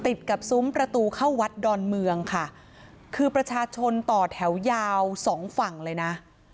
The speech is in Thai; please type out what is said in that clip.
ติดกับซุ้มประตูเข้าวัดดอนเมืองค่ะคือประชาชนต่อแถวยาวสองฝั่งเลยนะ